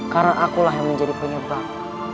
karena akulah yang menjadi penyebab